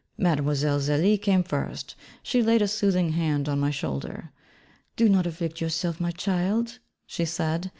Mlle. Zélie came first; she laid a soothing hand on my shoulder. 'Do not afflict yourself, my child,' she said.